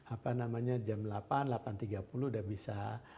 apa namanya jam delapan delapan tiga puluh udah bisa